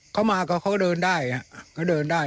เขามาก็เขาเดินได้